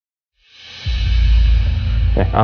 aku beli tem